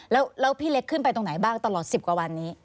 แล้วพี่เล็กขึ้นไปตรงไหนบ้างตลอด๑๐กว่าวันนี้